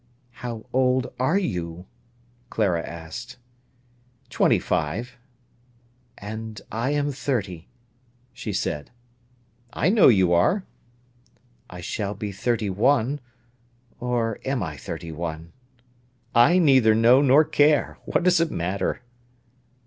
"How old are you?" Clara asked. "Twenty five." "And I am thirty," she said. "I know you are." "I shall be thirty one—or am I thirty one?" "I neither know nor care. What does it matter!"